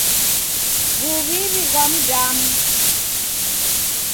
W'uw'iw'i ghwa mdamu.